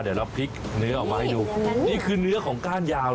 โดยที่ไม่ต้องเข้าตู้เย็นนะคะ